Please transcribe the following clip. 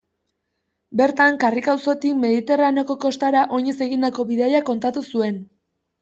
Bertan Karrika auzotik mediterraneoko kostara oinez egindako bidaia kontatu zuen.